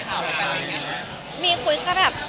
ก็เลยเอาข้าวเหนียวมะม่วงมาปากเทียน